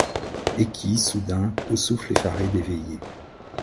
Et qui, soudain, au souffle effaré des veillées